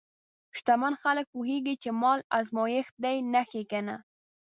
شتمن خلک پوهېږي چې مال ازمېښت دی، نه ښېګڼه.